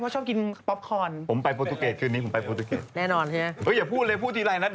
เชียร์ทีมว่างั้น